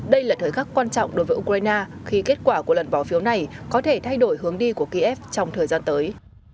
đây là thời khắc quan trọng đối với ukraine khi kết quả của lần bỏ phiếu này có thể thay đổi hướng đi của kiev trong thời gian tới